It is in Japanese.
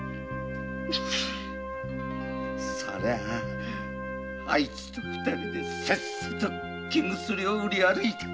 そりゃあアイツと二人でせっせと生薬を売り歩いて。